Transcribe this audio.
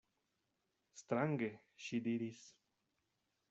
Strange, ŝi diris.